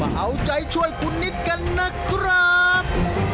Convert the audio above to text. เอาใจช่วยคุณนิดกันนะครับ